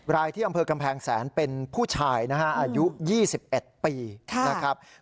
รายที่อำเภอกำแพงแสนเป็นผู้ชายนะฮะอายุ๒๑ปีนะครับ